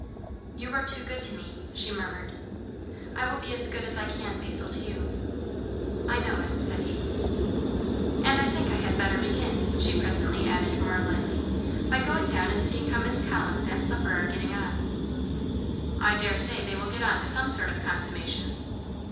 "You are too good to me," she murmured. "I will be as good as I can, Basil, to you." "I know it," said he. "And I think I had better begin," she presently added more lightly, "by going down and seeing how Miss Collins and supper are getting on." "I daresay they will get on to some sort of consummation."